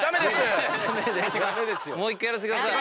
もう１回やらせてください。